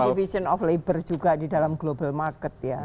division of labor juga di dalam global market ya